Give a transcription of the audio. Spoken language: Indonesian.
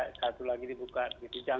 kemudian siapa lagi dibuka bersiko atau tidak